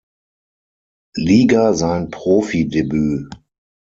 Liga sein Profidebüt.